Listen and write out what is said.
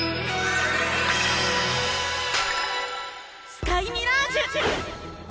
スカイミラージュ！